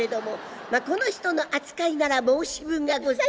まあこの人の扱いなら申し分がございません。